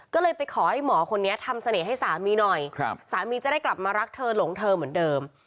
ก็เลยไปขอให้หมอคนนี้ทำเสน่ห์ให้สามีหน่อยสามีจะได้กลับมารักเธอหลงเธอเหมือนเดิม